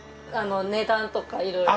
値段とかいろいろ。